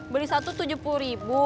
beli satu rp tujuh puluh